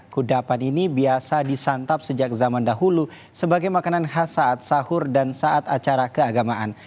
kudapan ini biasa disantap sejak zaman dahulu sebagai makanan khas saat sahur dan saat acara keagamaan